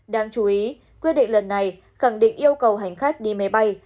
đáng chú ý quyết định lần này khẳng định yêu cầu hành khách đi máy bay